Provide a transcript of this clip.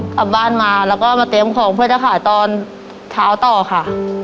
กลับบ้านมาแล้วก็มาเตรียมของเพื่อจะขายตอนเช้าต่อค่ะ